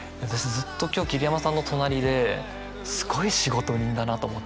ずっと今日桐山さんの隣ですごい仕事人だなと思って。